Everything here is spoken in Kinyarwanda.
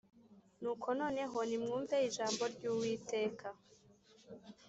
nuko noneho nimwumve ijambo ry Uwiteka